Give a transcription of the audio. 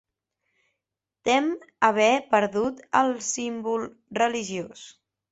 Tem haver perdut el símbol religiós.